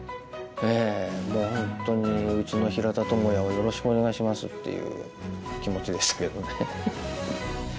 ええもう本当にうちの平田智也をよろしくお願いしますっていう気持ちでしたけどね。